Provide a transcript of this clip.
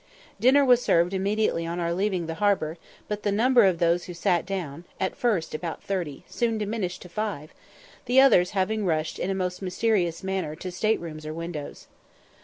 Dinner was served immediately on our leaving the harbour, but the number of those who sat down, at first about thirty, soon diminished to five, the others having rushed in a most mysterious manner to state rooms or windows.